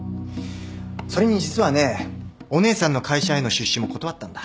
それに実はねお姉さんの会社への出資も断ったんだ。